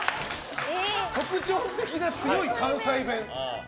特徴的な強い関西弁。